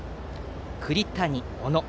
栗谷、小野